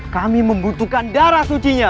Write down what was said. kami membutuhkan darah sucinya